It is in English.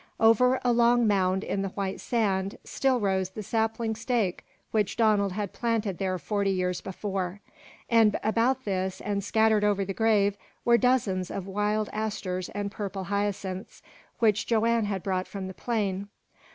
Over a long mound in the white sand still rose the sapling stake which Donald had planted there forty years before; and about this, and scattered over the grave, were dozens of wild asters and purple hyacinths which Joanne had brought from the plain.